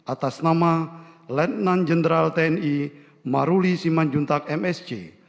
atas nama letnan jenderal tni maruli siman juntak msc